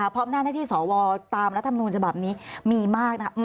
เพราะอำนาจหน้าที่สหวอตามและธรรมดูลจบับนี้มีมากนะครับ